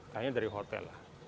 kayaknya dari hotel lah